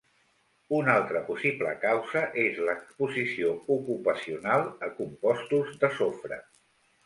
Una altra possible causa és l'exposició ocupacional a compostos de sofre.